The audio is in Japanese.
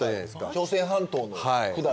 朝鮮半島の百済。